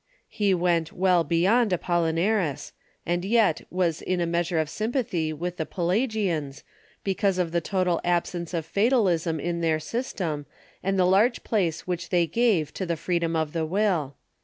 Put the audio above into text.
He went beyond Apollinaris, and yet was in a measure of sympathy with the Pelagians, because of the total absence of fatalism in their system and the large place which they gave to the freedom of the will.